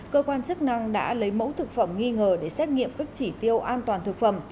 cơ quan chức năng đã lấy mẫu thực phẩm nghi ngờ để xét nghiệm các chỉ tiêu an toàn thực phẩm